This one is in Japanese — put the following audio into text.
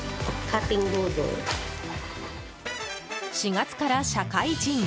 ４月から社会人。